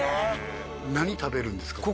何食べるんですか？